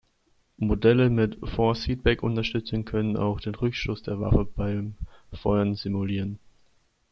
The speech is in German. Modelle mit Force-Feedback-Unterstützung können auch den Rückstoß der Waffe beim Feuern simulieren.